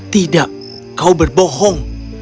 tidak kau berbohong